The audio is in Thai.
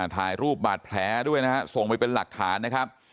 ถ่ายรูปบาดแผลด้วยนะฮะส่งไปเป็นหลักฐานนะครับ